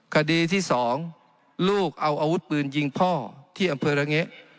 คดีที่๒ลูกเอาอาวุธปืนยิงพ่อที่อำเภอระแงะ